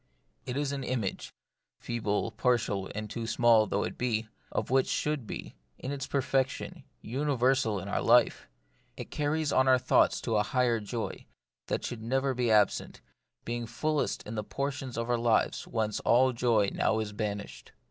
It is an image — feeble, partial, and too small though it be — of that which should be, in its perfection, universal in our life. It carries on our thoughts to a higher joy, that should be never absent, being fullest The Mystery of Pain. 87 in those portions of our life whence all joy now is banished.